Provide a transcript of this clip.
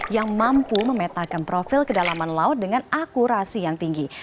yang mampu memetakan profil kedalaman laut dengan akurasi yang tinggi